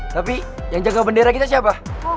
tapi yang jaga bendera kita siapa